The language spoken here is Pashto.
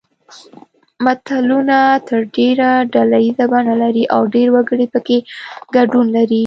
متلونه تر ډېره ډله ییزه بڼه لري او ډېر وګړي پکې ګډون لري